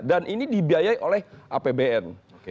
dan ini dibiayai oleh apbn